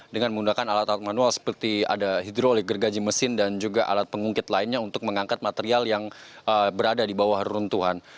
dengan menggunakan alat alat manual seperti ada hidrolik gergaji mesin dan juga alat pengungkit lainnya untuk mengangkat material yang berada di bawah runtuhan